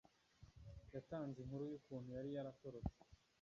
Yatanze inkuru yukuntu yari yaratorotse.